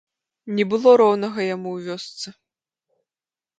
Не было роўнага яму ў вёсцы.